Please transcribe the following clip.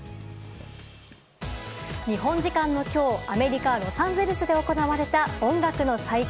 日本時間の今日アメリカ・ロサンゼルスで行われた音楽の祭典